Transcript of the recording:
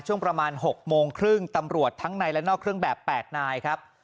ช่วงประมาณ๖โมงครึ่งตำรวจทั้งในและนอกเครื่องแบบ๘นายครับ